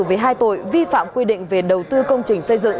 về hai tội vi phạm quy định về đầu tư công trình xây dựng